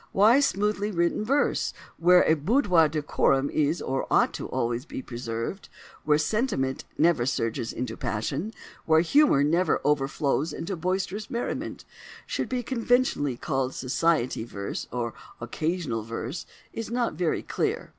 Why "smoothly written verse, where a boudoir decorum is or ought always to be preserved: where sentiment never surges into passion, and where humour never overflows into boisterous merriment" should be conventionally called "society verse," or "occasional verse," is not very clear.